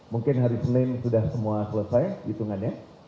mungkin hari senin sudah semua selesai hitungannya